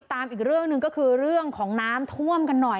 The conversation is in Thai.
ตามอีกเรื่องหนึ่งก็คือเรื่องของน้ำท่วมกันหน่อย